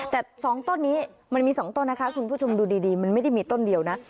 แต่๒ต้นนี้มันมี๒ต้นนะคะคุณผู้ชมดูดีมันไม่ได้มีต้นเดียวนะ